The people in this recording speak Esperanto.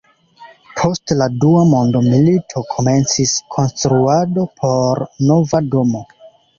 Post la Dua Mondmilito komencis konstruado por nova domo.